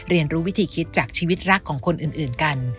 เรียนรู้วิธีคิดจากชีวิตรักของคนอื่นกัน